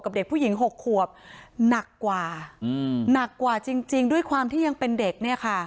เด็กผู้หญิง๖ขวบหนักกว่าอืมหนักกว่าจริงด้วยความที่ยังเป็นเด็กเนี่ยค่ะ